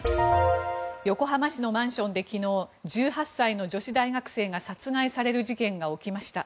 横浜市のマンションで昨日１８歳の女子大学生が殺害される事件が発生しました。